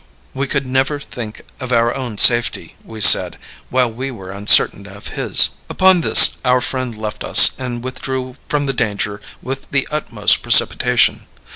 We could never think of our own safety, we said, while we were uncertain of his. Upon this our friend left us and withdrew from the danger with the utmost precipitation.